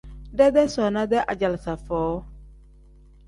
Deedee soona-dee ajalaaza foo.